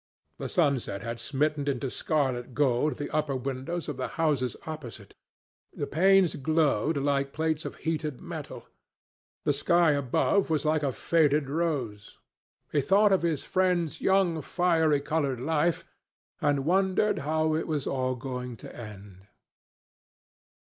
The sunset had smitten into scarlet gold the upper windows of the houses opposite. The panes glowed like plates of heated metal. The sky above was like a faded rose. He thought of his friend's young fiery coloured life and wondered how it was all going to end.